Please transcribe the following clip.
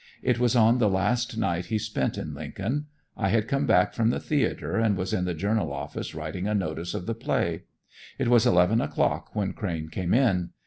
It was on the last night he spent in Lincoln. I had come back from the theatre and was in the Journal office writing a notice of the play. It was eleven o'clock when Crane came in.